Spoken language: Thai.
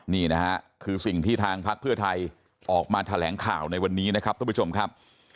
นี่นะฮะคือสิ่งที่ทางพักเพื่อไทยออกมาแถลงข่าวในวันนี้นะครับทุกผู้ชมครับ